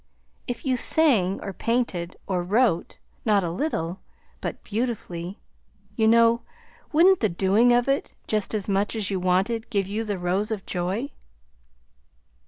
If you sang or painted or wrote, not a little, but beautifully, you know, wouldn't the doing of it, just as much as you wanted, give you the rose of joy?"